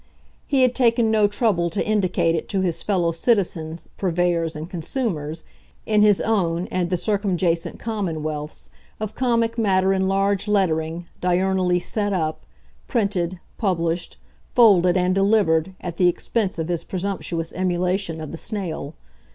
He had taken no trouble to indicate it to his fellow citizens, purveyors and consumers, in his own and the circumjacent commonwealths, of comic matter in large lettering, diurnally "set up," printed, published, folded and delivered, at the expense of his presumptuous emulation of the snail.